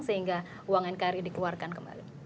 sehingga uang nkri dikeluarkan kembali